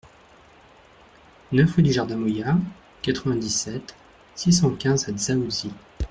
neuf rue du Jardin Moya, quatre-vingt-dix-sept, six cent quinze à Dzaoudzi